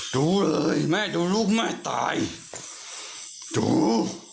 ดูเลยแม่ดูลูกแม่ตายดู